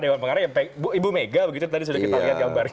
dewan pengarah yang ibu mega begitu tadi sudah kita lihat gambarnya